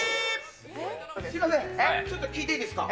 すみません、ちょっと聞いていいですか？